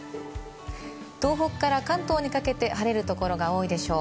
東北から関東にかけて晴れる所が多いでしょう。